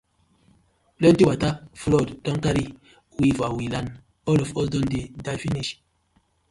Plenti wata flood don karry we for we land, all of us don dey die finish.